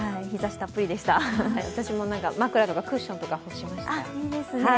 私も枕とかクッションとか干しました。